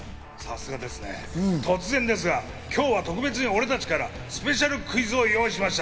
今日は特別に俺たちからスペシャルクイズを用意しました。